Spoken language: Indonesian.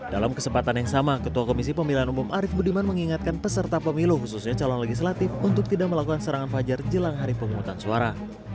dalam kesempatan yang sama ketua komisi pemilihan umum arief budiman mengingatkan peserta pemilu khususnya calon legislatif untuk tidak melakukan serangan fajar jelang hari pemungutan suara